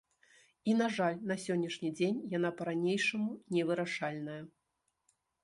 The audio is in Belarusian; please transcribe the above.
І, на жаль, на сённяшні дзень яна па-ранейшаму невырашальная.